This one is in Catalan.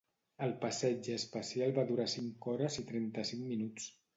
El passeig espacial va durar cinc hores i trenta-cinc minuts.